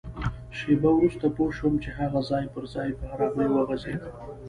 شېبه وروسته پوه شوم چي هغه ځای پر ځای په ارامۍ وغځېد.